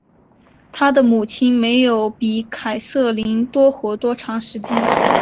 她的母亲没有比凯瑟琳多活多长时间。